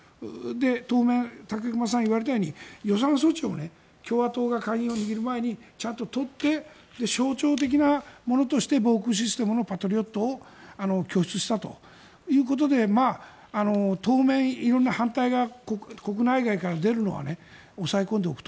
当面、武隈さんが言われたように予算措置も共和党が下院を握る前にちゃんととって象徴的なものとして防空システムのパトリオットを拠出したということで当面、いろんな反対が国内外から出るのは抑え込んでおく。